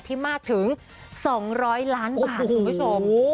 มากถึง๒๐๐ล้านบาทคุณผู้ชม